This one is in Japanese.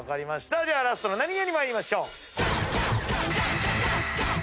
ラストのナニゲーに参りましょう。